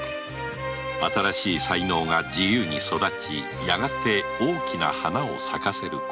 新しい才能が自由に育ちやがて大きな花を咲かせることを